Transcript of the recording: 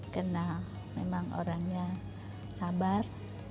kenal memang orangnya sabar